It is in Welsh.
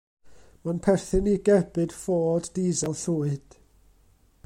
Mae'n perthyn i gerbyd Ford disel llwyd.